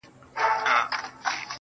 بیا خرڅ کړئ شاه شجاع یم پر پردیو~